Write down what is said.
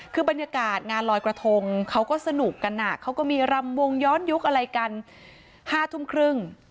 คือบรรยากาศงานลอยกระทงเขาก็สนุกกันเขาก็มีรำวงย้อนยุคอะไรกัน๕ทุ่มครึ่ง